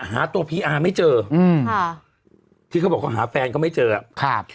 หาตัวพีอาร์ไม่เจออืมค่ะที่เขาบอกเขาหาแฟนก็ไม่เจออ่ะครับ